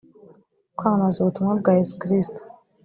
kwamamaza ubutumwa bwa yesu kristo